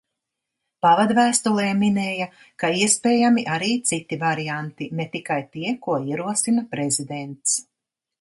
Pavadvēstulē minēja, ka iespējami arī citi varianti, ne tikai tie, ko ierosina Prezidents.